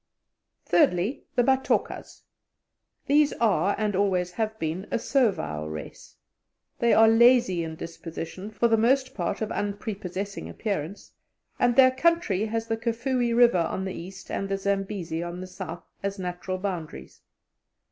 Thirdly, the Batokas. These are, and always have been, a servile race. They are lazy in disposition, for the most part of unprepossessing appearance, and their country has the Kafue River on the east, and the Zambesi on the south, as natural boundaries.